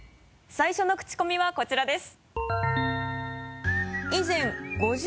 最初のクチコミはこちらです。